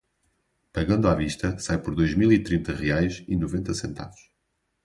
Pagando à vista sai por dois mil e trinta reais e noventa centavos.